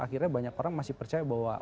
akhirnya banyak orang masih percaya bahwa